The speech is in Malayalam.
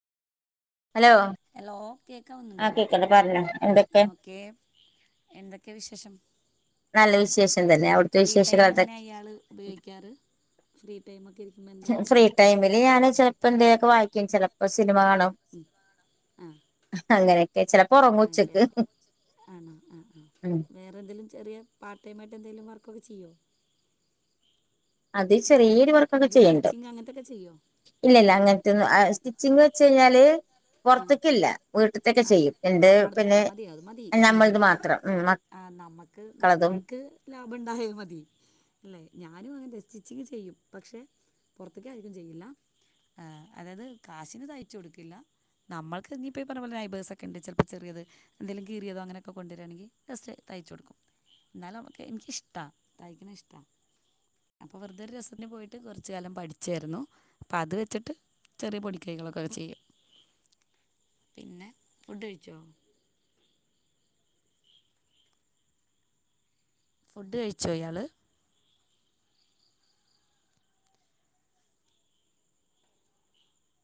ഹലോ ഹലോ ആ കേക്കാവുന്നുണ്ടോ കേക്കണ്ട് പറഞ്ഞോ എന്തൊക്കെ ഓക്കേ എന്തൊക്കെയാ വിശേഷം. നല്ല വിശേഷം തന്നെ അവിടുത്തെ ഫ്രീ വിശേഷങ്ങൾ ടൈം അതൊക്കെ എങ്ങനെയാ ഇയാള് ഉപയോഗിക്കാറ്. ഫ്രീ ടൈമൊക്കെ ഇരിക്കുമ്പ എന്താ വർക്ക്? അങ്ങെ ചെലപ്പോ എന്തൊലൊക്കെ വായിക്കും ചലപ്പോ സിനിമ കാണും. സിനിമ കാണും ആഹ് അങ്ങനെയൊക്കെ ചിലപ്പോ ആ ഉറങ്ങും ഓക്കെ ഉച്ചക്ക് ഓക്കെ ആണോ ആ ആ ഉം വേ അരെന്തിലും ചറിയ പാർട്ട ടൈമായിട്ട് എന്തങ്കും വർക്കൊക്കെ ചെയ്യോ അത് ചെറിയൊരു വർക്കൊക്കെ അല്ല ചെയ്യണ്ട സ്റ്റിച്ചിങ് അങ്ങനത്തെയൊക്കെ ചെയ്യുമോ ഇല്ല ഇല്ല അങ്ങനത്തൊന്നും സ്റ്റിച്ചിങ് വെച്ച് കഴിഞ്ഞാല് ആ പുറത്തക്കല്ല വീട്ടത്തൊക്കെ ആ ചെയ്യും എന്റെ നമ്മടത് പിന്നെ അത് നമ്മളത് മാത്രം ആഹ് നമ്മക്ക് മക്കളതും നമ്മൾക്ക് ലാഭം ഉണ്ടായ മതി അല്ലേ ഞാനും അങ്ങനെ സ്റ്റിച്ചിങ് ചെയ്യും പക്ഷെ പുറത്തേക്ക ആയിരിക്കും ചെയ്യില്ല ആ അതായത് കാശിന് തയ്ച്ച കൊടുക്കില്ല നമ്മൾക്ക് ഇപ്പോ അതുപോലെ നൈബ്സൊക്ക ഉണ്ട് ചിലപ്പോ ചെറിയത് എന്തെങ്കിലും കീറിതോ അങ്ങനൊക്കെ കൊണ്ടുവരിവാണെങ്കിൽസ്റ്റ് തയ്ച്ച കൊടുക്കും എന്നന്തായാലുംക്ക് എനിക്ക് ഇഷ്ട തയ്ക്കണ ഇഷ്ട അപ്പൊ വെറുതെരു രസത്തിന് പോയിട്ട് കുറച്ച കാലം പഠിച്ചായിരുന്നു അപ്പൊ അത് വെച്ചിട്ട് ചെറിയ പൊടിക്കൈകളൊക്കെെ ചെയ്യും പിന്നെ ഫുഡ് കഴിച്ചോ ഫുഡ് കഴിച്ചോ ഇയാള്